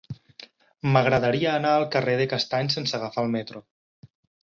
M'agradaria anar al carrer de Castanys sense agafar el metro.